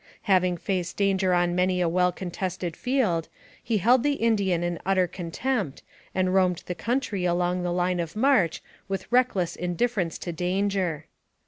Having faced danger on many a well contested field, he held the Indian in utter contempt, and roamed the country along the line of march with reckless indiffer ence to danger.